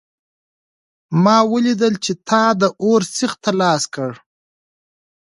ما ولیدل چې تا د اور سیخ ته لاس کړ